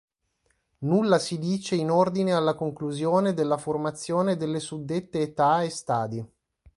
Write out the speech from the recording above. Nulla si dice in ordine alla conclusione della formazione delle suddette età e stadi.